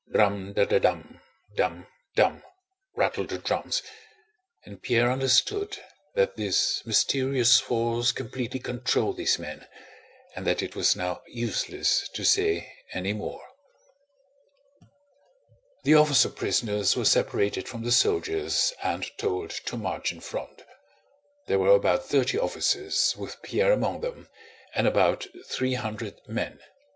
"Dram da da dam, dam dam..." rattled the drums, and Pierre understood that this mysterious force completely controlled these men and that it was now useless to say any more. The officer prisoners were separated from the soldiers and told to march in front. There were about thirty officers, with Pierre among them, and about three hundred men.